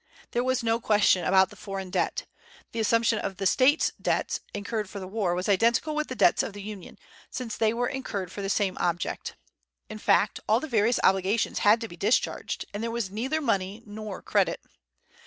There was no question about the foreign debt. The assumption of the State debts incurred for the war was identical with the debts of the Union, since they were incurred for the same object. In fact, all the various obligations had to be discharged, and there was neither money nor credit.